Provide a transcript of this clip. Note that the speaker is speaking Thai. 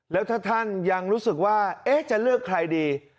แล้วถ้าท่านยังรู้สึกว่าจะเลือกใครดี